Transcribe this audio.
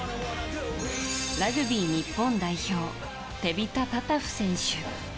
ラグビー日本代表テビタ・タタフ選手。